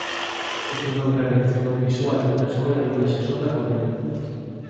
Estudou realización audiovisual na Escola de Imaxe e Son da Coruña.